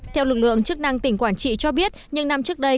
theo lực lượng chức năng tỉnh quảng trị cho biết những năm trước đây